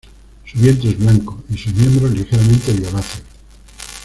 Su vientre es blanco y sus miembros ligeramente violáceos.